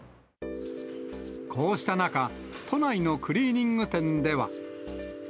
こうした中、都内のクリーニング店では。